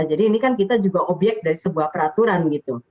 jadi ini kan kita juga obyek dari sebuah peraturan gitu